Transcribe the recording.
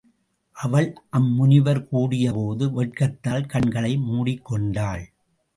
அவள் அம் முனிவர் கூடியபோது வெட்கத்தால் கண்களை முடிக்கொண்டாள்.